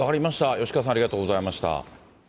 よしかわさん、ありがとうございました。